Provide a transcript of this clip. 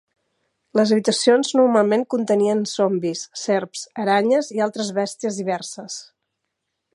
Les habitacions normalment contenien zombis, serps, aranyes i altres bèsties diverses.